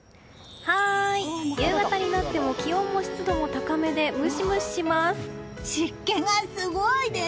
夕方になっても気温も湿度も高めで湿気がすごいです。